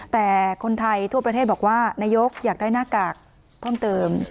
แต่คนไทยทั่วประเทศบอกว่านายกอยากได้หน้ากากเพิ่มเติม